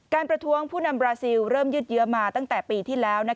ประท้วงผู้นำบราซิลเริ่มยืดเยอะมาตั้งแต่ปีที่แล้ว